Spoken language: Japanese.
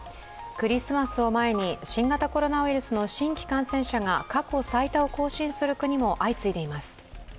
クリスマスを前に新型コロナウイルスの新規感染者が過去最多を更新する国も相次いでいます。